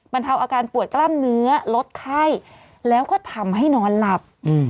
เทาอาการปวดกล้ามเนื้อลดไข้แล้วก็ทำให้นอนหลับ